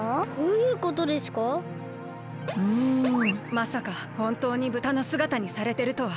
まさかほんとうにブタのすがたにされてるとは。